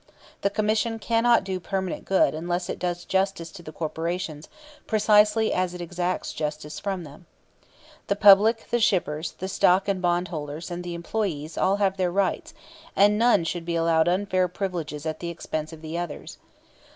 The Commission cannot do permanent good unless it does justice to the corporations precisely as it exacts justice from them. The public, the shippers, the stock and bondholders, and the employees, all have their rights, and none should be allowed unfair privileges at the expense of the others.